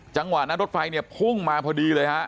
จังหวะนั้นรถไฟเนี่ยพุ่งมาพอดีเลยฮะ